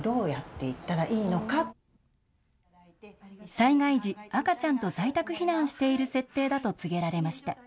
災害時、赤ちゃんと在宅避難している設定だと告げられました。